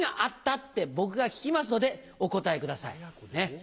って僕が聞きますのでお答えください。